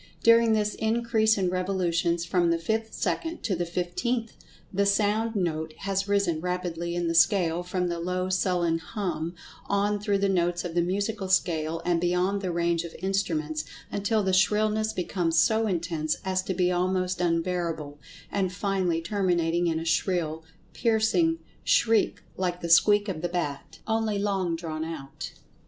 During this increase in revolutions from the fifth second to the fifteenth, the sound note has risen rapidly in the scale from the low sullen "hum," on through the notes of the musical scale, and beyond the range of instruments, until the shrillness becomes so intense as to be almost unbearable, and finally terminating in a shrill, piercing shriek like the "squeak" of the bat, only long drawn out.